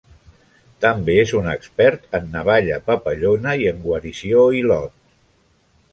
També és un expert en navalla papallona i en guarició hilot.